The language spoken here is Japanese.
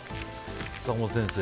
坂本先生。